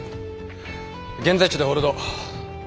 現在地でホールド。